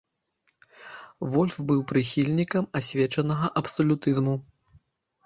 Вольф быў прыхільнікам асвечанага абсалютызму.